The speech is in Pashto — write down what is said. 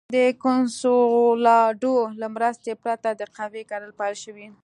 د کنسولاډو له مرستې پرته د قهوې کرل پیل شول.